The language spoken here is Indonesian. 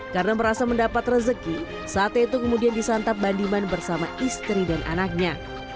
karena merasa mendapat rezeki sate itu kemudian disantap bandiman bersama istri dan anaknya